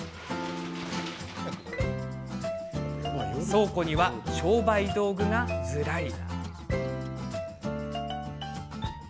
倉庫には商売道具がずらり。